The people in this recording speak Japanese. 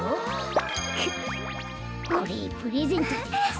これプレゼントです。